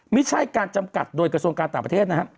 ไม่ใช่การจำกัดโดยกระทรวงการต่างประเทศนะครับ